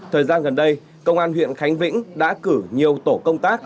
thời gian gần đây công an huyện khánh vĩnh đã cử nhiều tổ công tác